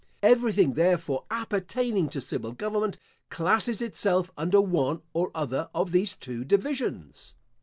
Everything, therefore, appertaining to civil government, classes itself under one or other of these two divisions.